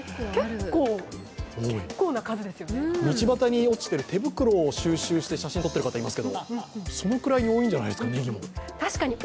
道端に落ちてる手袋を収集して写真を撮っている方いますがそのくらいに多いんじゃないですか。